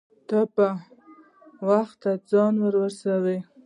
ته په وخت ځان راورسوه